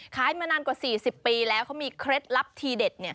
มานานกว่า๔๐ปีแล้วเขามีเคล็ดลับทีเด็ด